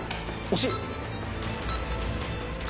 惜しい！